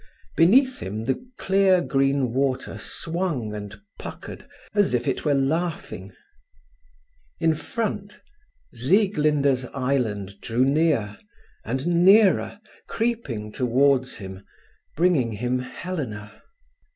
Beneath him the clear green water swung and puckered as if it were laughing. In front, Sieglinde's island drew near and nearer, creeping towards him, bringing him Helena.